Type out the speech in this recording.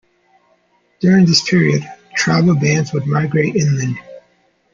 During this period, tribal bands would migrate inland.